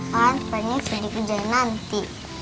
kan pr nya sudah dikerjain nanti